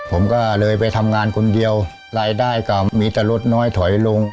ผมก็เลยไปทำงานคนเดียวรายได้ก็มีแต่ลดน้อยถอยลง